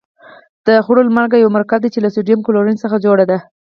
د خوړلو مالګه یو مرکب دی چې له سوډیم او کلورین څخه جوړه ده.